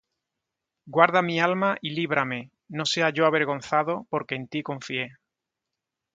Guarda mi alma, y líbrame: No sea yo avergonzado, porque en ti confié.